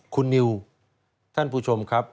คุณนิวท่านผู้ชมครับ